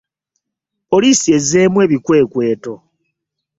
Poliisi ezzeemu ebikwekweto.